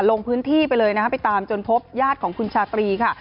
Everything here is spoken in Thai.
ลงพื้นที่ไปเลยนะคะไปตามจนพบญาติของคุณชาตรีค่ะ